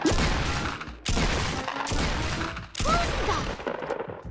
フンだ。